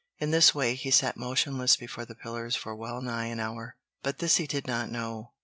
In this way, he sat motionless before the pillars for well nigh an hour; but this he did not know.